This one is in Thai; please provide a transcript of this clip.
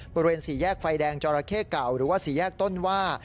บริเวณสี่แยกไฟแดงจอราเข้เก่าหรือว่าสี่แยกต้นว่า